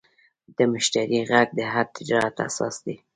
د مشتری غږ د هر تجارت اساس دی.